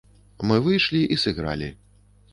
Мы выйшлі і сыгралі.